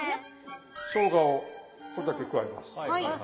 しょうがをこれだけ加えます。